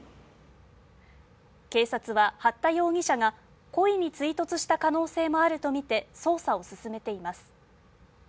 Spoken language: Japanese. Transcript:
警察は八田容疑者が故意に追突した可能性もあると見て捜査を進めています